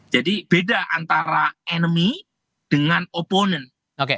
jadi beda antara enemy dengan opponent